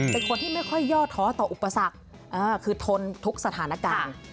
เป็นคนที่ไม่ค่อยย่อท้อต่ออุปสรรคคือทนทุกสถานการณ์